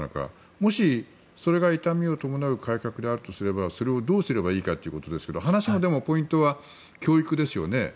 もし、それが痛みを伴う改革であるとすればそれをどうすればいいかということですが話のポイントは教育ですよね。